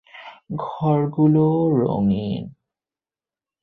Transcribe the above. ঘরগুলিও রঙিন।